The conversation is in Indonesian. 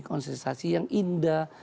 konstetasi yang indah